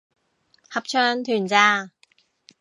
合唱團咋